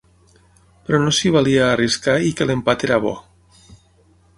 Però no s’hi valia a arriscar i que l’empat era bo.